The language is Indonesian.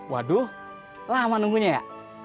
waduh lama nunggunya ya